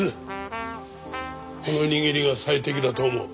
この握りが最適だと思う。